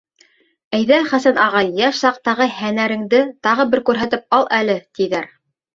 — Әйҙә, Хәсән ағай, йәш саҡтағы һәнәреңде тағы бер күрһәтеп ал әле, -тиҙәр.